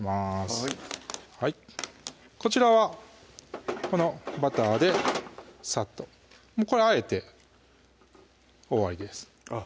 はいこちらはこのバターでさっとこれはあえて終わりですあっ